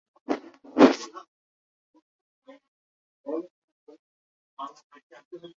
তাঁর নাম নৃপবালা।